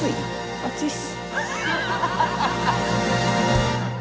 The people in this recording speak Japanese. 暑いっす。